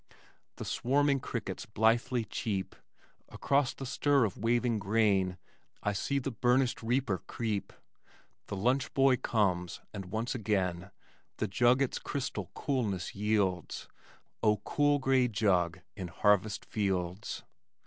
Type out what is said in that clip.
The swarming crickets blithely cheep, Across the stir of waving grain I see the burnished reaper creep The lunch boy comes, and once again The jug its crystal coolness yields O cool gray jug in harvest fields!